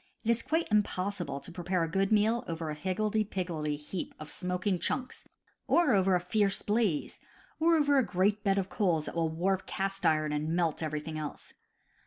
It is quite im possible to prepare a good meal over a higgledy piggledy ^, P ,. heap of smoking chunks, or over a _. fierce blaze, or over a great bed of coals that will warp cast iron and melt every thing else.